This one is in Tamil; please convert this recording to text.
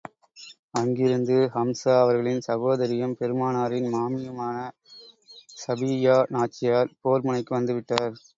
அங்கிருந்து ஹம்ஸா அவர்களின் சகோதரியும், பெருமானாரின் மாமியுமான ஸபிய்யா நாச்சியார் போர் முனைக்கு வந்து விட்டார்.